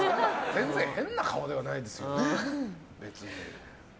全然変な顔ではないですよね。